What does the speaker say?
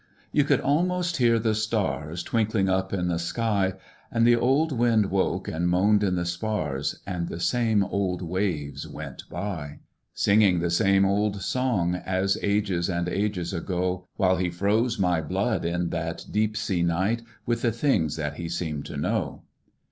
You could almost hear the stars Twinkling up in the sky, And the old wind woke and moaned in the spars, And the same old waves went by, Singing the same old song As ages and ages ago, While he froze my blood in that deep sea night With the things that he seemed to know.